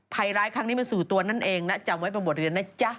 ภัยร้ายครั้งนี้มันสู่ตัวนั่นเองนะจำไว้เป็นบทเรียนนะจ๊ะ